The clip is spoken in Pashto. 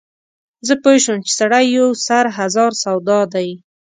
زه پوی شوم چې سړی یو سر هزار سودا دی.